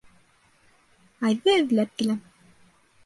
Айҙы эҙләп киләм.